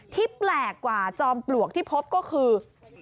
แปลกกว่าจอมปลวกที่พบก็คือ